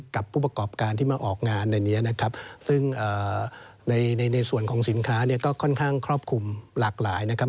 กับผู้ประกอบการที่มาออกงานในนี้นะครับซึ่งในในส่วนของสินค้าเนี่ยก็ค่อนข้างครอบคลุมหลากหลายนะครับ